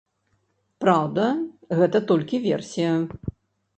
Праўда, гэта толькі версія.